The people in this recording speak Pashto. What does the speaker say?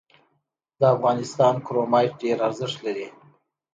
د افغانستان کرومایټ ډیر ارزښت لري